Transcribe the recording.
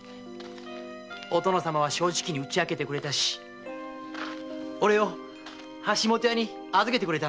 お殿様は正直に打ち明けてくれて俺を橋本屋に預けてくれた。